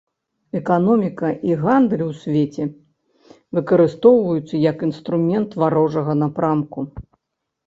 Эканоміка і гандаль у свеце выкарыстоўваюцца як інструмент варожага напрамку.